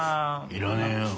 いらねえよ